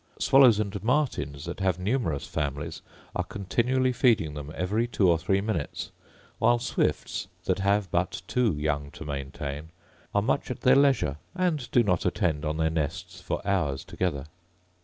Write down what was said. Swallows and martins, that have numerous families, are continually feeding them every two or three minutes; while swifts, that have but two young to maintain, are much at their leisure, and do not attend on their nests for hours together.